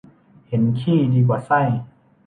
เห็นขี้ดีกว่าไส้